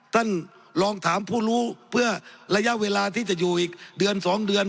ท่านลองถามผู้รู้เพื่อระยะเวลาที่จะอยู่อีกเดือน๒เดือน